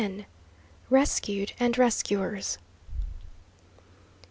RESCUED AND RESCUERS.